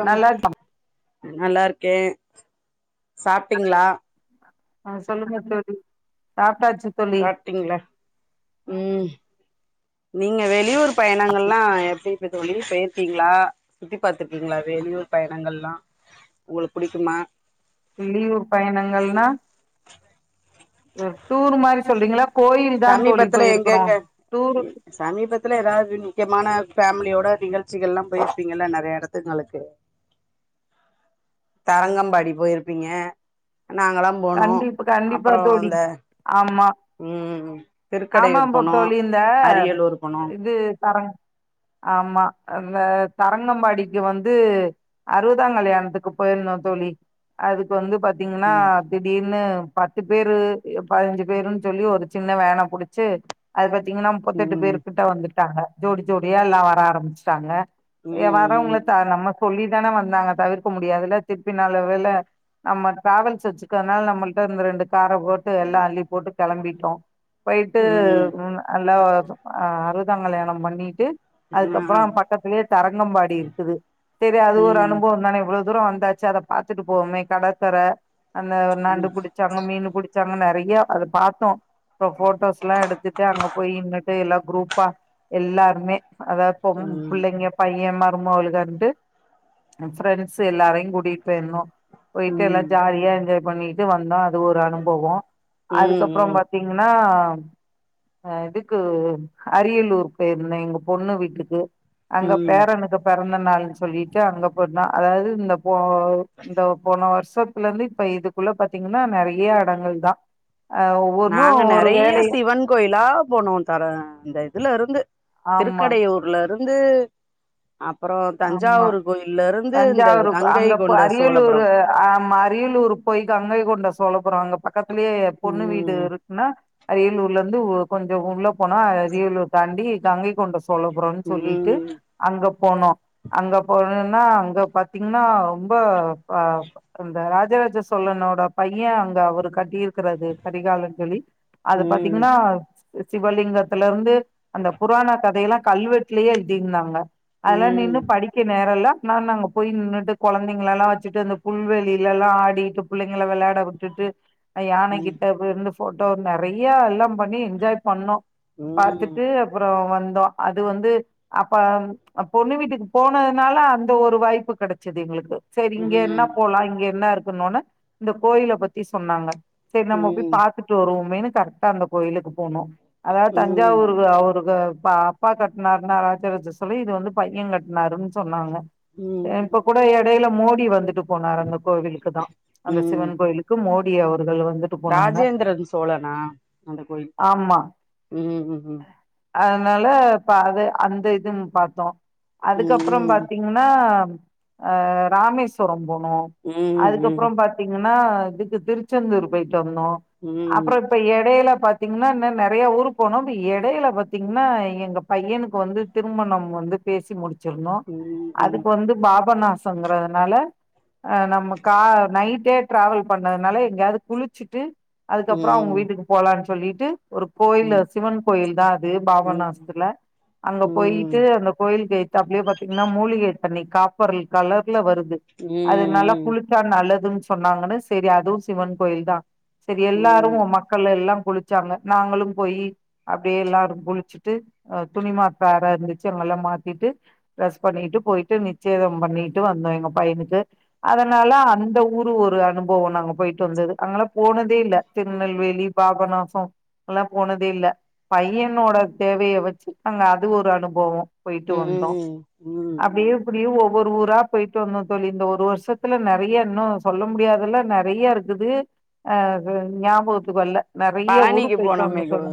அம் நல்லா நல்லா இருக்கே சாப்ட்டீங்ளா ஆ சொல்லுங்க தோழி ஆ சாப்டிங்ளா ம் நீங்க வெளியூர் ஆச்சு பயணங்கள்லா போய்ட்டு தோழி பெய்ருக்கீங்களா சுத்தி பாத்ருக்கீங்களா வெளியூர் பயணங்கள்லா உங்களுக்கு புடிக்குமா லீவு பயணங்கள்னா ம் டூர் மாரி சொல்றீங்ளா சமீபத்துல எங்கெங்க டூரு சமீபத்துல ஏதாது ம் முக்கியமான ஃபேமிலியோட நிகழ்ச்சிகள்லாம் போயிருப்பீங்கல்ல நெறைய எடத்துங்களுக்கு தரங்கம்பாடி போயிருப்பீங்க நாங்கலாம் போனோ கண்டிப்பா கண்டிப்பா அப்புறம் தோழி இந்த ம்ம்ம் ஆமாம் போ தோழி இந்த அரியலூர் போனோ இது தரம் ஆமா அஹ் அந்த தரங்கம்பாடிக்கு வந்து அறுவதாம் கல்யாணதுக்கு போயிருந்தோம் தோழி அதுக்கு வந்து பாத்தீங்ன்னா ம் ன்னு பத்து பேரு பதுனஞ்சு பேருன் சொல்லி ஒரு சின்ன வேன புடுச்சு அத பத் பாத்தீங்கன்னா முப்பத்தெட்டு ம் பேரு கிட்ட வந்துட்டாங்க ஜோடி ஜோடியா எல்லா வர ஆரம்ச்சிட்டாங்க ஏ வரவுங்கள தா நாங்க நம்ம சொல்லி தானே வந்தாங்க தவிர்க்க முடியாதுல திருப்பி நல்ல வேல நம்ம ட்ராவல்ஸ் வச்சு க்கனால நம்மல்ட்ட இந்த ரெண்டு கார போட்டு எல்லா அள்ளி போட்டு கெளம்பிட்டோம் போயிட்டு ம் நல்லா அ அறுவதாம் கல்யாணம் பண்ணி ட்டு அதுக்கப்புறோ பக்கத்துலே தரங்கம்பாடி இருக்குது சேரி அது ஒரு அனுபவம் தானே இவ்ளோ தூரோ வந்தாச்சு அத பாத்துட்டு போவுமே கடற்கர அந்த நண்டு புடுச்சாங்க மீனு புடுச் தாங்க நெறய அத பாத்தோ இப்ப ஃபோட்டோஸ்லா எடுத்துட்டு அங்க போய் நின்னுட்டு எல்லா க்ரூப்பா எல்லாருமே அதா ப்பொம் புள்ளைங்க பைய மா சும்மோ ஒளுக்காந்துட்டு அம் ஃப்ரெண்ட்ஸ் எல்லாரையும் கூட்டிட்டு போயிருந்தோ போயிட்டு எல்லா ஜாலியா என்ஜாய் பண்ணிட்டு வந்தோ அது ஒரு அனுபவம் அதுக்கப்புறோம் பாத்தீங்கன்னா அஹ் இதுக்கு அரியலூர் போயிருந்தே எங்க பொண்ணு வீட்டுக்கு அங்க பேரனுக்கு பிறந்த நாள்னு சொல்லிட்டு அங்க போயிருன்னா அதாவது இந்த ப்போ இந்த போன வருஷத்துலருந்து இப்ப இதுக்குள்ள பாத்தீங்கன்னா நெறைய இடங்கள் தா அ ஒவ்வொன்னு நாங்க ஒரு நெறையா வேலைய சிவன் கோயிலா போனோ தர அந்த இதுல இருந்து ஆமா திருக்கடையூர்லருந்து அப்புறம் ஆமா தஞ்சாவூர் கோயில்ல இருந்து இந்த தஞ்சாவூர் ப- கங்கை அங்க கொண்ட சோழபுரம் டூரு போய் கங்கைகொண்ட சோழ அப்புறம் அங்க பக்கத்துலேயே பொண்ணு வீடு ம் இருக்குன்னா அரியலூர்ல இருந்து ஒ கொஞ்ச உள்ளப் போனா அஹ் அரியலூர் தாண்டி கங்கைகொண்ட சோழபுரம்னு சொல்லிட்டு ம் அங்க போனோ அங்க போணுன்னா அங்க பாத்தீங்ன்னா ரொம்ப ப ப் அந்த ராஜராஜ சோழ சோழனோட பையன் அங்க அவரு கட்டிரு க்குறது கடிகாலங்களில் ம் அது ம் பாத்தீங்னா சிவலிங்கத்துல இருந்து அந்த புராண கதையெல்லா கல்வெட்லே எழுதிருந்தாங்க அதெல்லா ம் நின்னு நேரெல்லா நாங்க அங்க போய் நின்னுட்டு கொழந்தைங்களெல்லா வச்சுட்டு அந்த புல்வெளில எல்லா ஆடிட்டு பிள்ளைங்கள வெள யாடவிட்டுட்டு அது ம் ம் யானகிட்ட இருந்த ஃபோட்டோ நெறையா எல்லாம் பண்ணி என்ஜாய் பண்ணோ பார்த்துட்டு அப்றோ வந் த அது வந்து அப்ப அ பொண்ணு வீட்டுக்கு போனோனலா அந்த ஒரு வாய்ப்பு கெடச்சது எங்களுக்கு செரி இங்க என்ன போலா இங்க என்ன இருக் குனோன இந்த கோயில பத்தி சொன்னாங்க செரி நம்ம போய் ம் பாத்துட்டு வருவோமேன்னு கரெக்டா அந்த கோயிலுக்கு போனோ அதாது ம் தஞ்சாவூருங்க அவருக்கு இப்ப அப்பா கட்னாருன்னா ஆச்சிரியர்ட்ட சொல்லி இது வந்து பைய கட்னாருன் சொன்னாங்க ம் அ இப்ப கூட எடைல மோடி வந்துட்டு போனாரு அந்த கோவிலுக்கு தா அந்த ம் சிவன் கோயிலுக்கு மோடி அவரு ராஜேந்திரன் சோழனா அந்த கோயில் ஆமா ம் ம் ம் அதனால பா அது அந்த இதுன் பாத்தோ ம் அதுக்கப்ற பாத்தீங்னா ஆ ராமேஸ்வரம் போனோ ம் ம் அதுக்கப்ற பாத்தீங்க னா இதுக்கு திருச்செந்தூர் போய்ட்டு வந்தோ ம் ம் ம் ம் அப்ற இப்ப எடைல பாத்தீங்னா இன்ன நெறையா ஊரு போனோ அப்டி எடையில பாத்தீங்னா எங்க பையனுக்கு வந்து திருமணம் வந்து பேசி முடிச்சிருந்தோ அதுக்கு வந்து பாபநாசங்கிறதுனால அ நம்ம கா நைட்டே ட்ராவல் பண்ணதுனால எங்கேயாவது குளிச்சுட்டு அதுக்கப்புறம் அவுங்க வீட்டுக்கு போலான் சொல்லிட்டு ஒரு கோயில சிவன் கோயில் தான் அது ம் பாபநாசத்துல அங்க போயிட்டு அந்த கோயிலுக்கு பாத்தீங்ன்னா மூலிகை தண்ணி காப்பர் கலர்ல வருது அதுனால ம் குளிச்சா நல்லது சொன்னாங்கன்னு செரி அதுவும் சிவன் கோயில் தான் செரி எல்லாரு ம் மக்கள் எல்லாம் குளிச்சாங்க நாங்களும் போய் அப்டியே எல்லாரும் குளிச்சுட்டு அ துணிமாத்த அற இருந்துச்சு எங்களு லா மாத்திட்டு ட்ரஸ் பண்ணிட்டு போயிட்டு நிச்சேதம் பண்ணிட்டு வந்தோ எங்க பையனுக்கு அதனால அந்த ஊர் புது ஒரு அனுபவம் நாங்க போயிட்டு வந்தது அங்கலா போனதே இல்ல திருநெல்வேலி பாபனாச எல்லாம் போனதே இல்ல பையனோட தேவைய வச்சு நாங்க அது ஒரு அனுபவோ போயிட்டு வந்தோ ம் அப்டியே ம் இப்டியே ஒவ்வொரு ஊரா போயிட்டு வந்தோ தோழி இந்த ஒரு வருஷத்துல நறைய இன்னு சொல்ல முடியாதுல்லா நறைய இருக்குது அ அது ஞாபகத்துக்கு வல்ல நறைய ஊரு பழனிக்கு பேய்டு போனோமே வந்தோ தோழி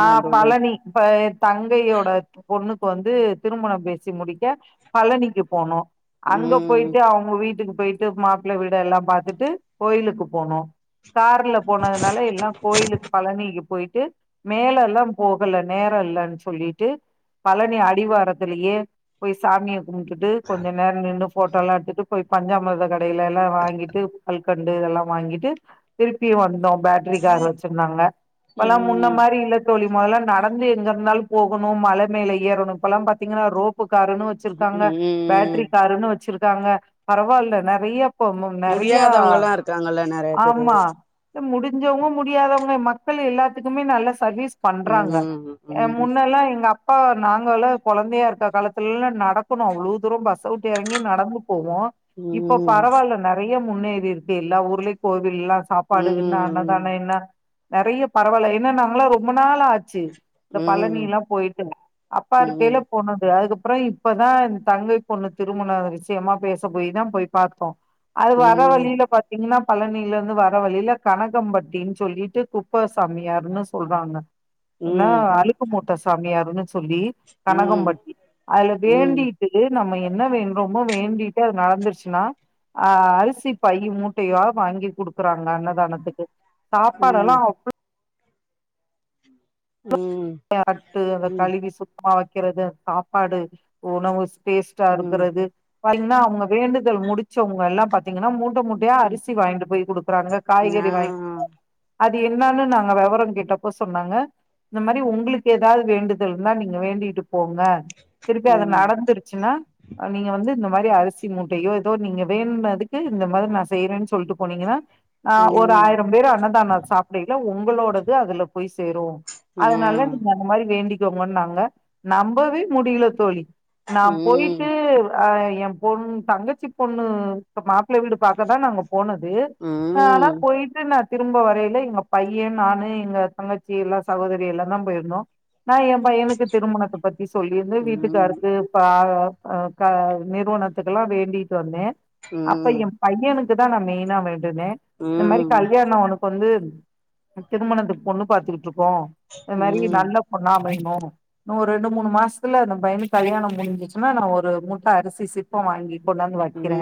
ஆ தோழி பழனி ப தங்கையோட பொண்ணு வந்து திருமணம் பேசி முடிக்க பழனிக்கு போனோ அங்க ம் போயிட்டு அவுங்க வீட்டுக்கு போ பேய்ட்டு மாப்ள்ள வீட எல்லாம் பார்த்துட்டு கோயிலுக்கு போனோ கார்ல போனதுனால எல்லாம் கோயிலுக்கு பழனிக்கு போய்ட்டு மேல எல்லாம் போகல நேரம் இல்லன் சொல்லிட்டு பழனி அடிவாரத்துலயே போய் சாமிய கும்டுட்டு கொஞ்ச நேர நின்னு ஃபோட்டோ எல்லா எடுத்துட்டு போய் பஞ்சாமிர்த க டைல எல்லா வாங்கிட்டு கல்கண்டு இதெல்லாம் வாங்கிட்டு திருப்பியு வந்தோம் பேட்ரிகார் வச்சிருந்தாங்க இப்பலா முன்ன ம் மாரி இல்ல தோழி மொதல்ல நடந்து எங்க இருந்தாலும் போகணும் மழ மேலே ஏறணும் இப்பல்லாம் பாத்தீங்கன்னா ரோப் பு காருன்னு வச்சிருக்காங்க ம் பேட்ரி காருன்னு வச்சிருக்காங்க பரவால்ல நறைய ப்போ ம் நறையா முடியாதவங்கல்லா இருக்காங்கல்ல நெறைய பேரு ஆமா முடிஞ்சவுங்க முடியாதவுங்க மக்கள் எல்லாத்துக்குமே நல்ல சர்வீஸ் ம் பண்றாங்க ம் முன்னல்லா எங்க அப்பா நாங்கள கொழந்தையா இருக்க காலத்து தெல்லா நடக்கனு அவ்ளோ தூரோ பஸ்ஸ வுட்டு எறங்கி நடந்து போவோ இப்ப ம் ம் பரவால்ல நறைய முன்னேறி இருக்கு எல்லா ஊருலு கோவில்லா சாப்பாடு என்ன அன்னதானோ ம் என்ன நறைய பரவால்ல என்னன்னா நாங்களா ரொம்ப நாளா ஆச்சு இந்த ம் பழனி ம் எல்லா போய்ட்டு அப்பா இருக்கேய்ல ம் போனுது அதுக்கு அப்புறம் இப்பதான் இந்த தங்கை பொண்ணு திருமண விஷயமா பேச போய் தா போய் பாத்தோ அது வர வழில பாத்தீங்ன்னா பழனில இருந்து வர வழில கனகம்பட்டின் சொல்லிட் குப்ப சா சாமியாருன்னு சொல்றாங்க இன்னொ ம் அழுக்கு மூட்ட சாமியாருன்னு சொல் சொல்லி கனகம்பட்டி அதுல ம் வேண்டிடு நம்ம என்ன வேண்ட்றோ மோ வேண்டிட்டு அது நடந்திருச்சுனா அரிசி பை மூட்டையா வாங்கி குடுக் குறாங்க அன்னதானத்துக்கு சாப்பாடெல்லா ம் அவ்ளோ ம் ஏ தட்டு அத ம் கழுவி சுத்தமா வக்கிறது அந்த சாப்பாடு உணவு டேஸ்ட்டா ம் இருக்றது பாத்தீங்ன்னா அவுங்க வேண்டுதல் முடிச்சவுங்க எல்லா பாத்தீங்கன்னா மூட் மூட்ட மூட்டயா ம் அரிசி வாய்ன்டு போய் குடுக்குறாங்க ஆ காய்கறி வாங்கி அது என்னான்னு நாங்க வெவரோ கேட்டப்ப சொன்னாங்க இந்த மாரி உங்களுக்கு ஏதாவது வேண்டுதல் இருந்தா நீங்க வேண்டிட் போங்க திருப்பி அது ம் நடந்துருச்சுன்னா நீங்க வந்து இந்த மாரி அரிசி மூட்டையோ எதோ நீங்க வேண்டுனதுக்கு இந்த மாரி நா செய்யறேன்னு சொல்டு போனீங்கன்னா ஆ ம் ம் ஒரு ஆயிரம் பேரு அன்னதான சாப்டைல ஒங்களோடது அதுல போய் சேரு ம் ம் அதனால நீங்க அந்த மாரி வேண்டிக்கோங்ன்னாங்க நம்பவே முடியல தோழி நா போய்ட்டு ம் அ ஏன் பொண் தங்கச்சி பொண்ணு மாப்ள வீடு பாக்கதா நாங்க போனது ம் ம் ம் ஆனா போய்ட்டு நா திரும்ப வரையில எங்க பையே, நானு, எங்க தங்கச்சி எல்லா சகோதரி எல்லாந்தா போயிருந்தோ. நா ஏ பையனுக்கு திருமணத்த பத்தி சொல்லிருந்த ம் ம் ம் ம் ம் ம் ம் ம் ம் ம் ம் ம் ம் ம் வீட்டுக்காருக்கு பாக ப க நிறுவனத்துக்கெல்லா வேண்டிட்டு வந்தே. அப்ப ஏ பையெனுக் க்குதா நா மெயினா வேண்டுனே. இந் மாரி கல்யாணோ அவனுக்கு வந்து திருமணத்துக்கு பொண்ணு பாத்துகிட்டிருக்கோ. இது மாரி நல்ல பொண்ணா அமையணு. இன்னு ஒரு ரெண்டு மூணு மாசத்துல அந்த பையனுக்கு கல்யாணோ முடிஞ்சிச்சின்னா நா ஒரு மூட்டை அரிசி சிப்பம் வாங்கி கொண்டாந்து வக்கிறே.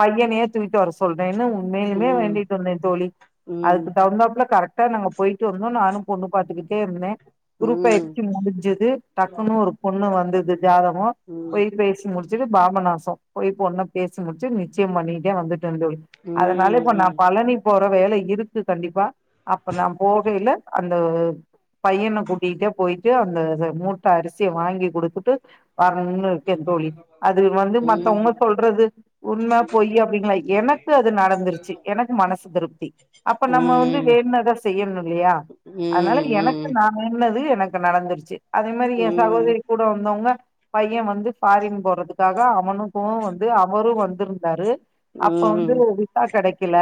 பையெனையே தூக்கிட் வர சொல்றேன்னு மேலுமே வேண்டிட் வந்தே தோழி. ம் அதுக்கு தகுந்தாப்ல கரெட் இதுக்கா நாங்க போயிட்டு வந்தோ. நானு பொண்ணு பாத்துக்கிட்டே இருந்தே. குரு ம் பெயர்ச்சி முடிஞ்சிது. டக்குன்னு ஒரு பொண்ணு வந்தது ஜாதகோ போய் பேசி முடிச்சிட்டு பாபநாசம் போய் பொண்ண பேசி முடிச்சிட் நிச்சயம் பண்ணிட்டே வந்துட் டேன் தோழி அதனால இப்ப நா பழனி போற வேலை இருக்கு கண்டிப்பா. அப்ப நா போகையில அந்த பையன கூட்டிகிட்டே போயிட்டு அந்த மூட்ட அரிசிய வாங்கி குடுத்துட்டு வரணும்னு இருக்கே தோழி. அது வந்து மத்தவங்க சொல்றது உண்ம, பொய் அப்டிங்கலய் எனக்கு அது நடந்திருச்சி. எனக்கு மனசு திருப்தி. அப்ப நம்ம வந்து வேண்டுனத செய்யணு இல்லையா? ம் அதனால ம் எனக்கு நா வேண்டுனது எனக்கு நடந்திருச்சி. அதே மாரி ஏ சகோதரி கூட வந்தவங்க பைய வந்து ஃபாரின் போறதுக்காக அவனுக்கு வந்து அவரு வந்திருந்தாரு. அப்ப வந்து விசா கெடைக்கல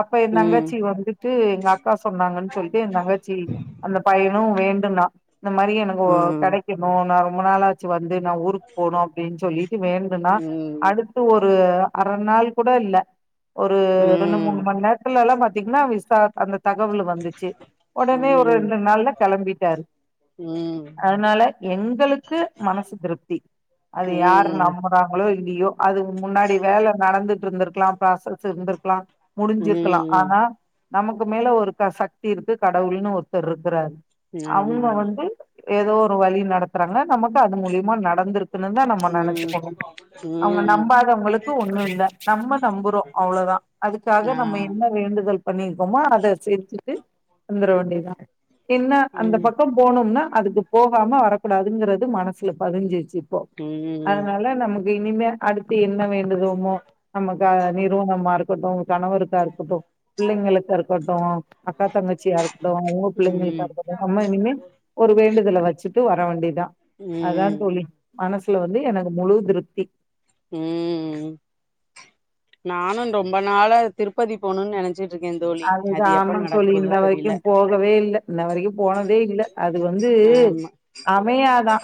அப்ப ஏ தங்கச்சி வந்துட் எங்க அக்கா சொன்னாங்கன்னு சொல்லிட்டு ஏ தங்கச்சி தினோ வேண்டுனா இந்த மாரி எனக்கு ஒ கெடைக்கணு நா ரொம்ப நாளாச்சி வந்து. நா ஊருக்கு போனு அப்டின் சொல்லிட்டு வேண்டுனா. அடுத்து ஒரு ஒரு அரை நாள் கூட இல்ல. ஒரு ரெண்டு, மூணு மணி நேரத்துல எல்லா பாத் பாத்தீங்னா விசா அந்த தகவல் வந்துச்சி. ஒடனே ஒரு ரெண்டு நாள்ல கெளம்பிட்டாரு. அதனால எங்களுக்கு மனசு திருப்தி. அது யாரு ம் நம்புறாங்களோ இல் லியோ அதுக்கு முன்னாடி வேல நடந்துட்டு இருந்திருக்லா. ப்ராசஸ் இருந்திருக்லா. முடிஞ்சிருக்லா. ம் ம் ஆனா நமக்கு மேல ஒரு சக்தி இருக்கு. கடவுள்னு ஒருத்தர் இருக்குறாரு. ஆமா அவுங்க ஆமா வந்து ஏதோ ஒரு வழி நடத்துறாங்க. நமக்கு அது மூலியமா நட நடந்திருக்கின்னு தா நம்ம ம் நெனைச்சிக்கணு. அவங்க ம் நம்பாதவங்களுக்கு ஒன்னு இல்ல. நம்ம நம்புறோ அவ்ளோதா. அதுக்காக ஆ நம்ம என்ன வேண்டு வேண்டுதல் பண்ணிருக்கோமோ அத செஞ்சிட்டு வந்துற வேண்டிதா. என்ன அந்த ம் பக்கம் போனோம்னா அதுக்கு போகாம வரக்கூடாதுங்கறது மனசுல பதிஞ்சிட்சி போ ம் அதனால நமக்கு இனிமே அடுத்து என்ன வேண்டுதோமோ நமக் க நீரு நம்மாறுக்கட்டு கணவருக்கா இருக்கட்டு பிள்ளைங்களுக்கா இருக்கட்டு அக்கா தங்கச்சியா இருக்கட்டு இவுங்க பிள்ளைங்களுக்கா ம் இருக்கட்டு நம்ம இனிமே ஒரு வேண்டுதல வச்சுட்டு வர வேண்டிதா அதான் ம் தோழி மனசுல வந்து எனக்கு முழு திருப்தி ம் நானு ரொம்ப நாள திருப்பதி போணும்னு நெனைச்சிட் அது தா ஆமா தோழி இன்ன தெரில வரைக்கும் போகவே இல்ல இன்ன வரைக்கும் போனதே இல்ல அது வந்து து ஆமா அமையாதா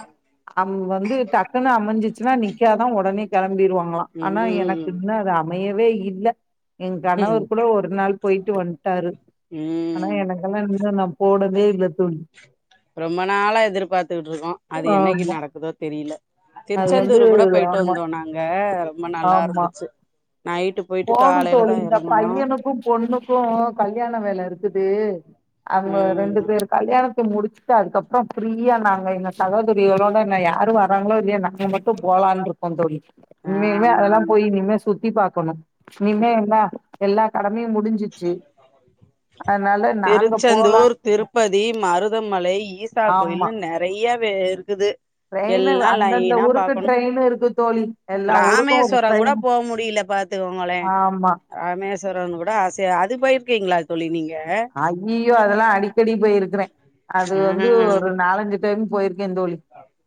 அம் வந்து டக்குன்னு அமைஞ்சிச்சின்னா நிக்காதா உடனே கெளம்பிடுவாங்களாம் ஆனா எனக்கு ம் இன்னோ அது அமையவே இல்ல என் ம் கணவர் கூட ஒரு நாள் கூப்பிட்டாரு ஆனா ம் எனக்கெல்லா இன்னு நா போடவே இல்ல தோழி ரொம்ப நாளா எதிர்பாத்துக்கிட்டு இருக்கோம் அது என்னைக்கு ஆமா நடக்குதோ தெரியல அது வந்து திருச்செந்தூர் கூட போயிட்டு ஆமா வந்தோம் நாங்க ரொம்ப நல்லா இருந்துச்சி போகணும் தோழி இந்த பையனுக்கு பொண்ணுக்கு கல்யாணம் வேல இருக்குது அவுங்க ரெண்டு ம் பேர் கல்யாணத்து முடிச்சுட்டு அதுக்கப்புறோ ஃபிரியா நாங்க எங்க தகோதரிகளோட நா யாரு வராங்களோ இல்லையோ நாங்க மட்டு போ போலான்ருக்கோந் தோழி இனிமேல்தா ஆமா அதெல்லாம் ஆமா போய் இனிமே சுத்தி பாக்கணு நீமே என்னா எல்லா கம்மிய முடிஞ்சிச்சி [inaudible] திருச்செந்தூர் திருப்பதி மருதமலை ஈசா ஆமா கோயில்னு நெறைய வே இருக்குது ட்ரெயினு எல்லா அந்தந்த லைனா ஊருக்கு பாக்கணு ட்ரெயின் இருக்கு தோழி எல்லா ஊருக்கு ஒரு ராமேஸ்வரங் கூட ட்ரெயின் போ முடியில பாத்துக்கொ ங்களே ஆமா ராமேஸ்வரங் கூட ஆசையா அது போயிருக்கீங்ளா தோழி நீங்க அய்யியோ அதெல்லா அடிக்கடி போயிருக்கறேன் அது ஆ வந்து ஒரு நாலஞ்சு டைம் போயிருக் கேந்தோழி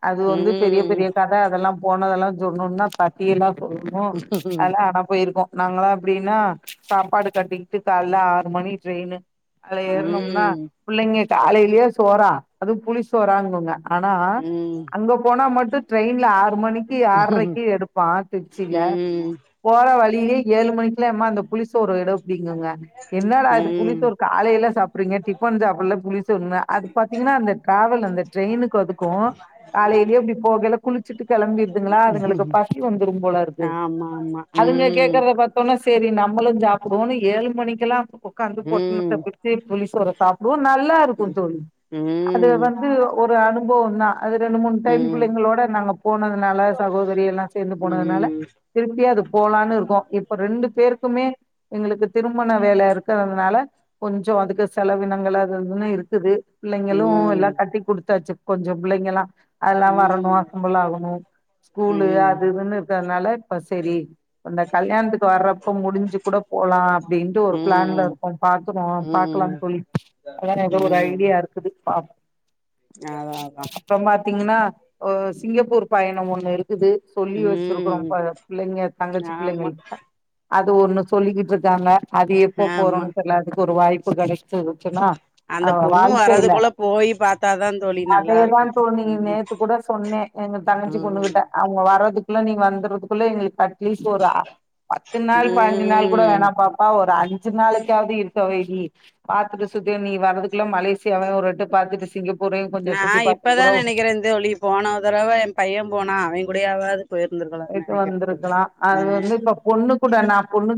அது ம் வந்து பெரிய பெரிய கத அதெல்லாம் போனதெல்லா சொன்னோனா பத்தி எல்லாம் [unintelligible] ம் ஆனா போயிருக்கோ நாங்களா அப்டின்னா சாப்பாடு கட்டிக்கிட்டு கால்ல ஆறு மணி ட்ரெயினு அதுல ஏறனும்னா புள்ளைங்க காலையிலயே சோறா அதும் புளி சோறாங்குங்க ஆனா அங்க போனா மட் ட்ரெயின்ல ஆறு மணிக்கு ஆறைக்கு எடுப்பான் திருச்சியில ம் ம் போற வழியிலே ஏழு மணிக்குலா ம்மா அந்த புளிசோறு எடு அப்டிங்குங்க என்னடா அது ம் புளிசோறு காலையெல்லா சாப்பிறீங்க டிஃபன் சாப்புல புளி சோறுனா அது பாத்தீங்கன்னா அந்த டிராவல் அந்த ட்ரெயினுக்குதுக்கூ காலையிலயே இப்டி போகல குளிச்சுட்டு கெளம்பிடுதுங்களா அதுங்களுக்கு பசி வந்துரும் போல இருக்குது ஆமா ஆமா அதுங்க ம் கேக்கறத பத்தோனா செரி நம்பளு சாப்டுவோன்னு ஏழு மணிக்கெல்லாம் ஒக்காந்து பொட்ன னத்த ம் பிரிச்சி புளி சோற சாப்டுவோ நல்லா இருக்கும் தோழி அது ம் வந்து ஒரு அனுபவோ தான் அது ரெண்டு மூணு டைம் ம் புள்ளைங்களோட நாங்க போனதுனால சகோ தரி எல்லா சேர்ந்து போனதுனால திருப்பி அது போலான்னு இருக்கோ இப்ப ரெண்டு பேருக்குமே எங்களுக்கு திருமண வேல இருக்குறதுனால கொஞ்சோ அதுக்கு செலவினங்கள துன்னு இருக்குது பிள்ளைங்களூ எல்லா ம் கட்டி குடுத்தாச்சு கொஞ்சம் புள்ளைங்கல்லாம் அதெல்லா ம் வரணும் ம் அசம்புள் ஆகணும் ஸ்கூலு ம் அது இதுன்னு இருக்கிறனால இப்ப செரி இந்த கல்யாணத்துக்கு வர்றப்ப முடிஞ்சு கூட போலா அப்டின்ட்டு ஒரு ம் பிளான்ல இருக்கோ பா ஆ பாக்கலாங் ம் தோழி அதான் ஏதோ ஒரு ம் ஐடியா இருக்குது பா அதா அதா அப்புறம் பாத்தீங்கன்னா ஒ சிங்கப்பூர் பயணம் ஒண்ணு இருக்கு குது சொல்லி வச்சிருக்கறோம் ப ம் பிள்ளைங்க தங்கச்சி ஆமா பிள்ளைங்கள்ட்ட அது ஒண்ணு சொல்லிக்கிட் ருக்காங்க அது எப்ப ஆமா போறோன் தெர்ல அதுக்கு ஒரு வாய்ப்பு கெடைச்சருச்சுன்னா ஆ அந்த பொண்ணு வாழ்க்கைல வர்றதுக்குள்ள போய் பாத்தாதா தோழி நல்லா இருக்கு அதேதான் தோழி ம் நேத்து கூட சொன்னேன் எங்க தங்கச்சி பொண்ணுகிட்ட ம் அவுங்க வர்றதுக்குள்ள நீங்க வந்துருதுக்குள்ள எங்களுக்கு க அட்லீஸ்ட் ஒரு அ பத்து நாள் பாஞ்சி நாள் கூட ம் வேணாம் பாப்பா ஒரு அஞ்சு நாளைக்காவுது இரு [unintelligible] பாத்துட்டு சுத்தி நீ வரதுக்குல்ல மலேசியாவ ஒரு எட்டு பாத்துட்டு சிங்கப்பூர் நா இப்பதா நெனக்கிறேன் தோழி போன தடவ என் பையன் போனா அவேன் கூடயாவது போயிருந்திருக்கலானு பேயிட்டு நெனைக்கிறே தோழி வந்திருக்கலா அது அ வந்து இப்ப பொண்ணு கூட நா பொண்ணு